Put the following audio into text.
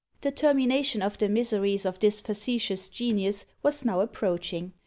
The termination of the miseries of this facetious genius was now approaching.